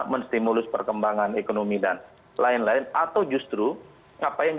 menstimulus perkembangan ekonomi dan lain lain atau justru capaian